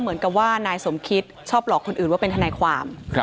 เหมือนกับว่านายสมคิดชอบหลอกคนอื่นว่าเป็นทนายความ